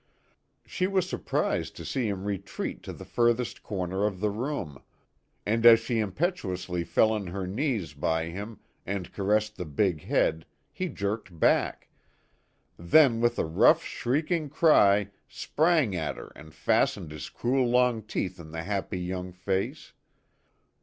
She was surprised to see him retreat to the furthest corner of the room, and as she impetuously fell on her knees by him and caressed the big head he jerked back then with a rough shrieking cry sprang at her and fastened his cruel long teeth in the happy young face.